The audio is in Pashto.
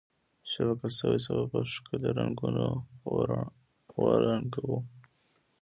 شبکه شوي صفحه په ښکلي رنګونو ورنګوئ.